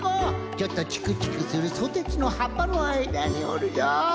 ちょっとチクチクするソテツのはっぱのあいだにおるぞ。